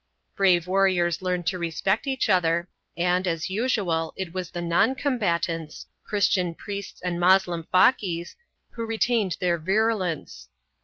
Brave warriors learned to respect each other, and, as usual, it was the non combatants, Christian priests and Moslem faquis, who retained their viru lence.